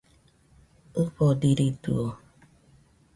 ɨfodiridɨo